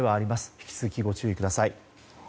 引き続き、ご注意ください。